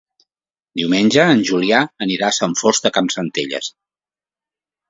Diumenge en Julià anirà a Sant Fost de Campsentelles.